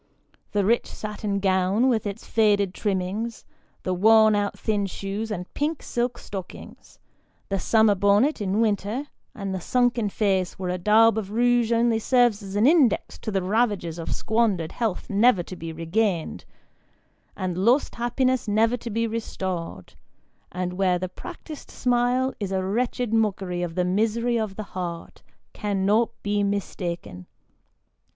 The rich satin gown with its faded trimmings, the worn out thin shoes, and pink silk stockings, the summer bonnet in winter, and the sunken face, where a daub of rouge only serves as an index to the ravages of squandered health never to be regained, and lost happiness never to bo restored, and where the practised smile is a wretched mockery of the misery of the heart, cannot be mistaken.